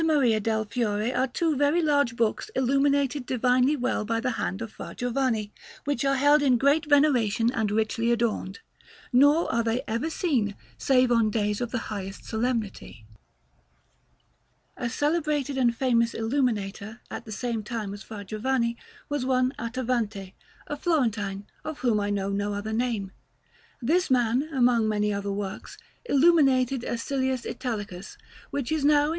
Maria del Fiore are two very large books illuminated divinely well by the hand of Fra Giovanni, which are held in great veneration and richly adorned, nor are they ever seen save on days of the highest solemnity. A celebrated and famous illuminator at the same time as Fra Giovanni was one Attavante, a Florentine, of whom I know no other name. This man, among many other works, illuminated a Silius Italicus, which is now in S.